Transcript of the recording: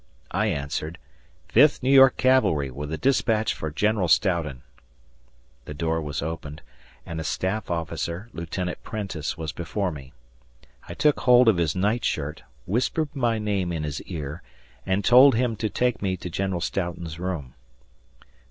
I answered, "Fifth New York Cavalry with a dispatch for General Stoughton." The door was opened and a staff officer, Lieutenant Prentiss, was before me. I took hold of his nightshirt, whispered my name in his ear, and told him to take me to General Stoughton's room.